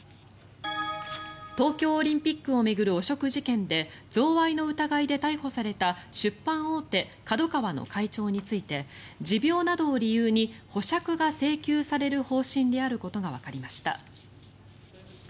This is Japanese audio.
東京オリンピックを巡る汚職事件で贈賄の疑いで逮捕された出版大手ＫＡＤＯＫＡＷＡの会長について持病などを理由に保釈が請求される方針であることがわかりました。